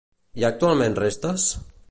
Hi ha actualment restes?